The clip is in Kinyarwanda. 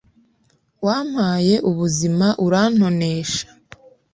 wampaye ubuzima urantonesha